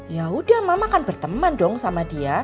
yaudah mama akan berteman dong sama dia